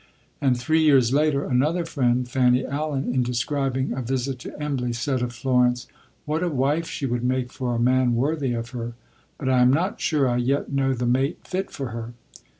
And three years later another friend, Fanny Allen, in describing a visit to Embley, said of Florence: "What a wife she would make for a man worthy of her! but I am not sure I yet know the mate fit for her."